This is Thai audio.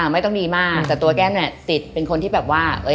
ไม่ต้องดีมากแต่ตัวแก้มเนี่ยติดเป็นคนที่แบบว่า